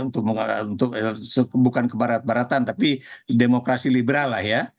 untuk bukan kebarat baratan tapi demokrasi liberal lah ya